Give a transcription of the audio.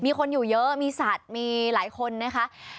มีคนอยู่เยอะมีสัตว์มีหลายคนนะคะ